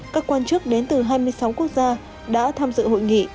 các quan chức đến từ hai mươi sáu quốc gia đã tham dự hội nghị